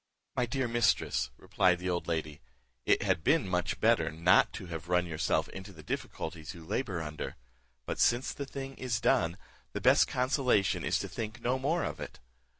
"My dear mistress," replied the old lady, "it had been much better not to have run yourself into the difficulties you labour under; but since the thing is done, the best consolation is to think no more of it.